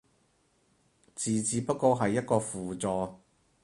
字只不過係一個輔助